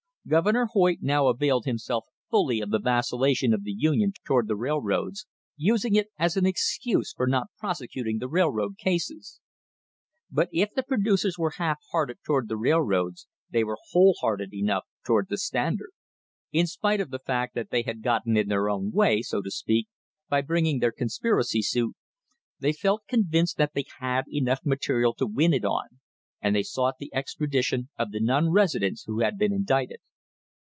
Governor Hoyt now availed himself fully of the vacillation of the Union toward the railroads, using it as an excuse for not prosecuting the railroad cases. But if the producers were half hearted toward the rail roads they were whole hearted enough toward the Standard. In spite of the fact that they had gotten in their own way, so to speak, by bringing their conspiracy suit, they felt con vinced that they had material enough to win it on, and they sought the extradition of the non residents who had been indicted.